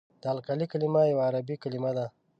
د القلي کلمه یوه عربي کلمه ده.